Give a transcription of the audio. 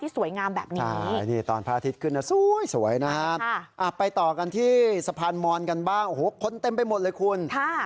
สวยนะฮะไปต่อกันที่สะพานมอนกันบ้างโอ้โฮขนเต็มไปหมดเลยคุณ